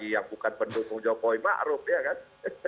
yang bukan pendukung jokowi maruf ya kan